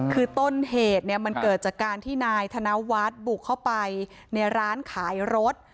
คือต้นเหตุเนี่ยมันเกิดจากการที่นายธนวัฒน์บุกเข้าไปในร้านขายรถ